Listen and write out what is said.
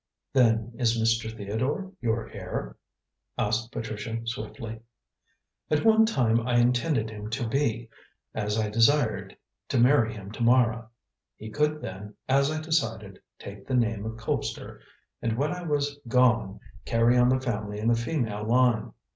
"Then is Mr. Theodore your heir?" asked Patricia swiftly. "At one time I intended him to be, as I desired to marry him to Mara. He could then, as I decided, take the name of Colpster, and when I was gone, carry on the family in the female line.